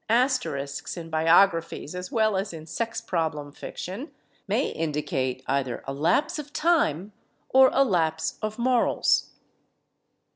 As terisks, in biographies as well as in sex problem fiction, may indicate either a lapse of time or a lapse of morals.